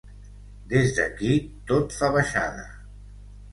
Des d’aquí tot fa baixada.